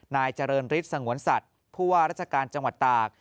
นายเจริญฤทธิ์สงวนสัตว์ผู้ว่าราชการจังหวัดตาก